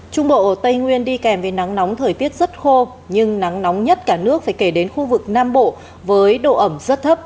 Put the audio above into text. trung bộ ở tây nguyên đi kèm với nắng nóng thời tiết rất khô nhưng nắng nóng nhất cả nước phải kể đến khu vực nam bộ với độ ẩm rất thấp